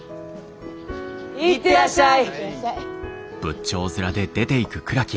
行ってらっしゃい！